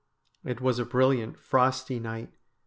' It was a brilliant, frosty night.